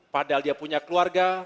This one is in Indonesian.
padahal dia punya keluarga